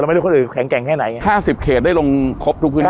ไม่รู้คนอื่นแข็งแกร่งแค่ไหนไง๕๐เขตได้ลงครบทุกพื้นที่